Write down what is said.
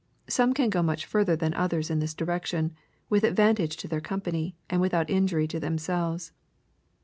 Some can go much further than others in this direction, with advantage to their company, and without injury to them selves.